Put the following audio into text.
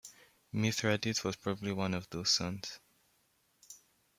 Mithradates was possibly one of those sons.